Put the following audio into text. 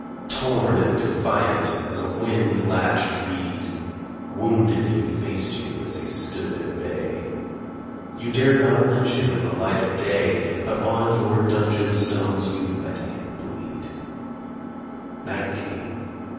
Torn and defiant as a wind lashed reed, Wounded he faced you as he stood at bay; You dared not lynch him in the light of day, But on your dungeon stones you let him bleed; Night came